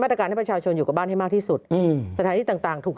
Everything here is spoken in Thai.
ตรการให้ประชาชนอยู่กับบ้านให้มากที่สุดอืมสถานที่ต่างต่างถูก